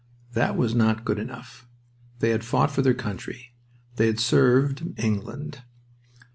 That was not good enough. They had fought for their country. They had served England.